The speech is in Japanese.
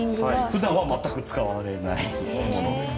ふだんは全く使われない機能です。